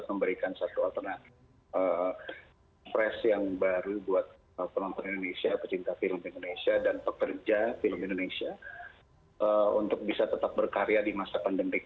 memberikan satu alternatif fresh yang baru buat penonton indonesia pecinta film indonesia dan pekerja film indonesia untuk bisa tetap berkarya di masa pandemi